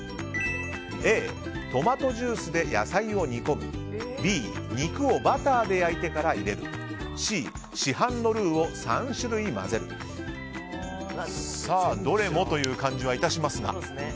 Ａ、トマトジュースで野菜を煮込むＢ、肉をバターで焼いてから入れるＣ、市販のルーを３種類混ぜるどれもという感じはいたしますが。